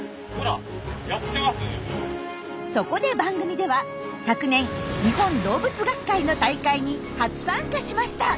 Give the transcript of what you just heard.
そこで番組では昨年日本動物学会の大会に初参加しました。